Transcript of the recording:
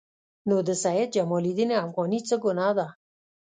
نو د سید جمال الدین افغاني څه ګناه ده.